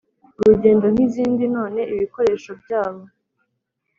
urugendo nk izindi None ibikoreshwa byabo